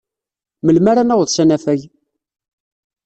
Melmi ara naweḍ s anafag?